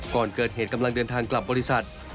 ก่อนเกิดเหตุกำลังเดินทางกลับบริษัท